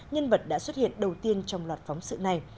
nhân vật đã xuất hiện đầu tiên trong loạt phóng sự này